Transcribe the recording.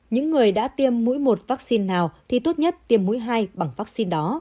những người đã tiêm mũi một vaccine nào thì tốt nhất tiêm mũi hai bằng vaccine đó